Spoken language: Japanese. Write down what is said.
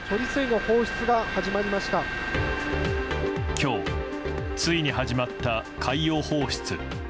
今日、ついに始まった海洋放出。